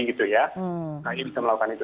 kaye bisa melakukan itu